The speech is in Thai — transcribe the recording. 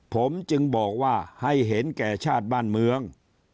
ผมจึงบอกว่าให้เห็นแก่ชาติบ้านเมือง